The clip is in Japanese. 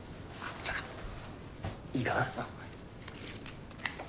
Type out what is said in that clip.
じゃあいいかな？